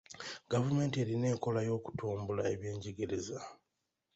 Gavumenti erina enkola y'okutumbula ebyenjigiriza.